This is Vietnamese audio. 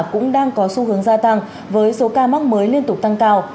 cũng đang có xu hướng gia tăng với số ca mắc mới liên tục tăng cao